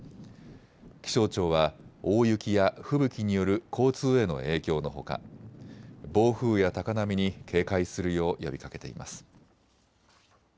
気象庁は大雪や吹雪による交通への影響のほか暴風や高波に警戒するよう呼びかけています。